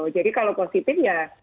jadi kalau positif ya